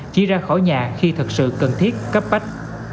chia ra khỏi nhà khi thực sự cần thiết cấp bách